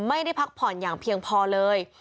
ไม่ได้พักผ่อนอย่างเพียงพอเลย